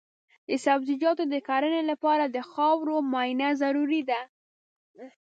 د سبزیجاتو د کرنې لپاره د خاورو معاینه ضروري ده.